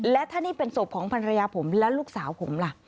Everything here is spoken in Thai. และถ้านี่เป็นศพของภรรยาผมและลูกสาวผมล่ะ